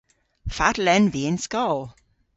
Fatel en vy yn skol?